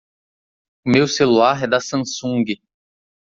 O meu celular é da Samsung.